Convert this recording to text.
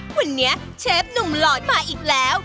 วันนี้เชฟหนุ่มหลอนมาอีกแล้ว